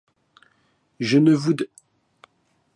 Je ne vous d